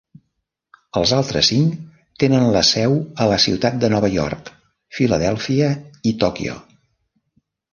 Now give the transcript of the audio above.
Els altres cinc tenen la seu a la ciutat de Nova York, Filadèlfia i Tòquio.